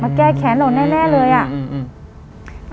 มาแก้แขนเราแน่แน่เลยอ่ะอืมอืม